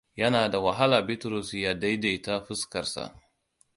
Yana da wahala Bitrusa ya daidaita fuskarsa.